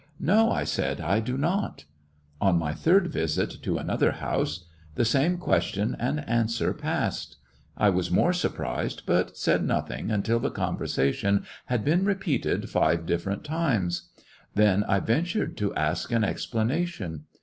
"No," I said, "I do not." On my third visit, to another house, the same question and answer passed. I was more surprised, but said nothing until the conversation had been repeated five differ ent times. Then I ventured to ask an ex planation.